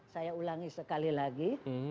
saya ulangi sekali lagi